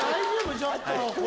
ちょっと！